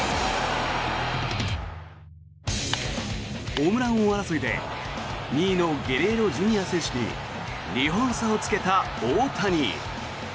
ホームラン王争いで２位のゲレーロＪｒ．選手に２本差をつけた大谷。